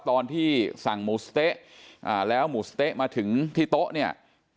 ตอนที่สั่งหมูสะเต๊ะแล้วหมูสะเต๊ะมาถึงที่โต๊ะเนี่ย